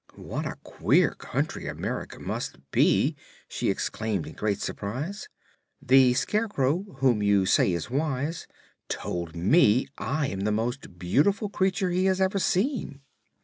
"What a queer country America must be!" she exclaimed in great surprise. "The Scarecrow, whom you say is wise, told me I am the most beautiful creature he has ever seen."